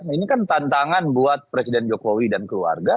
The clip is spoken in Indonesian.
ini kan tantangan buat presiden jokowi dan keluarga